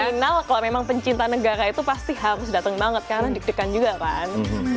final kalau memang pencinta negara itu pasti harus datang banget karena dikedekan juga kan